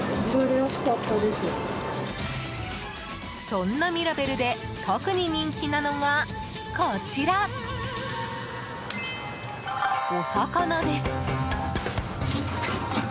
そんな、みらべるで特に人気なのがこちら、お魚です。